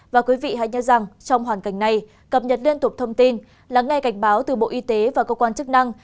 và quý vị hãy nhớ rằng trong hoàn cảnh này cập nhật liên tục thông tin lắng nghe cảnh báo từ bộ y tế và cơ quan chức năng